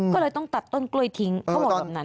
ก็เลยต้องตัดต้นกล้วยทิ้งเขาบอกแบบนั้น